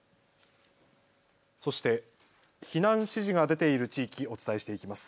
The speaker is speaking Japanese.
そして避難指示が出ている地域、お伝えしていきます。